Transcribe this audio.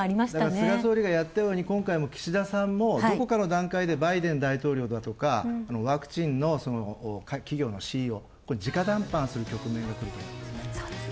菅総理もやったように岸田さんもどこかの段階でバイデン大統領だとか、ワクチンの企業のＣＥＯにじか談判する局面にくると思いますね。